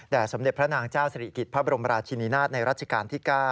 แด่สำเด็ดพระนางเจ้าสริกิริย์พระบรมราชินินาทชร์ในรัฐกาลที่๙